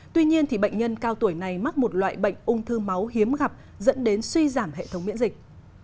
tuy nhiên bệnh nhân cao tuổi này mắc một loại bệnh ung thư máu hiếm gặp dẫn đến suy giảm hệ thống miễn dịch